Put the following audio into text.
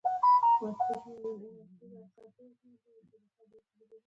د کتاب چاپ په دې موده کې دود شو.